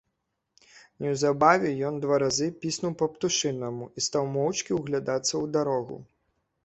Неўзабаве ён два разы піснуў па-птушынаму і стаў моўчкі ўглядацца ў дарогу.